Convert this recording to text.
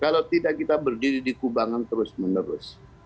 kalau tidak kita berdiri di kubangan terus menerus